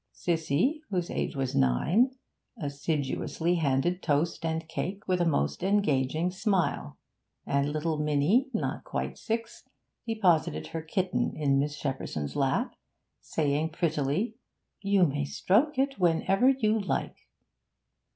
Cissy, whose age was nine, assiduously handed toast and cake with a most engaging smile, and little Minnie, not quite six, deposited her kitten in Miss Shepperson's lap, saying prettily, 'You may stroke it whenever you like.'